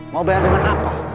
mau bayar dengan apa